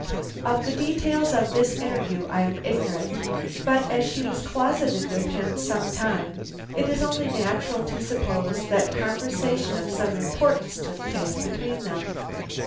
Of the details of this interview I am ignorant, but as she was closeted with him some time, it is only natural to suppose that conversation of some importance took place between them.